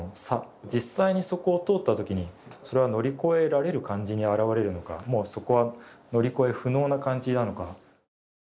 実際にそこを通ったときにそれは乗り越えられる感じにあらわれるのかもうそこは乗り越え不能な感じなのか。